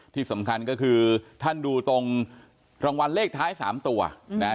ที่สำคัญก็คือท่านดูตรงรางวัลเลขท้าย๓ตัวนะ